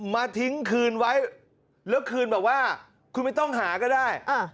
มาทิ้งคืนไว้แล้วคืนแบบว่าคุณไม่ต้องหาก็ได้